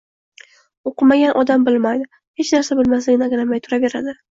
O‘qimagan odam bilmaydi, hech narsa bilmasligini anglamay yuraveradi.